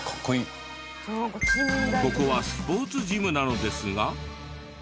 ここはスポーツジムなのですが。